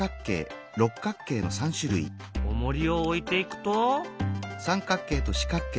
おもりを置いていくと。